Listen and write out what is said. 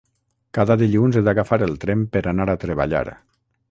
Cada dilluns he d'agafar el tren per anar a treballar.